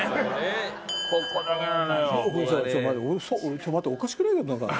ちょっと待っておかしくない？